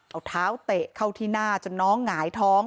เอาเท้าเตะเข้าที่หน้าจนน้องหงายท้อง